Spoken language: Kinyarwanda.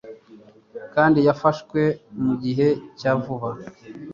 kandi yafashwe mu gihe cya vuba,